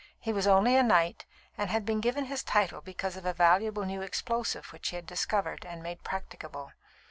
He was only a knight, and had been given his title because of a valuable new explosive which he had discovered and made practicable.